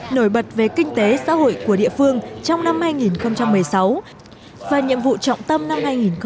nổi bật về kinh tế xã hội của địa phương trong năm hai nghìn một mươi sáu và nhiệm vụ trọng tâm năm hai nghìn một mươi tám